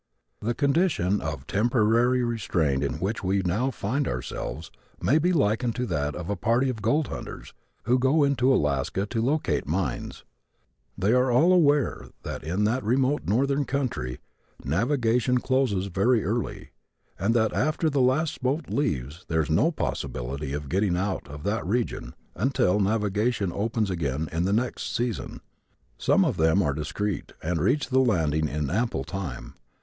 The condition of temporary restraint in which we now find ourselves may be likened to that of a party of gold hunters who go into Alaska to locate mines. They are all aware that in that remote northern country navigation closes very early and that after the last boat leaves there is no possibility of getting out of that region until navigation opens again in the next season. Some of them are discreet and reach the landing in ample time.